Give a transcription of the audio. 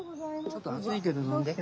ちょっと熱いけど飲んで。